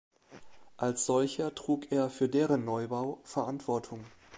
Als solcher trug er für deren Neubau Verantwortung.